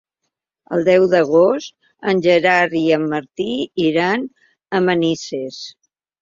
El deu d'agost en Gerard i en Martí iran a Manises.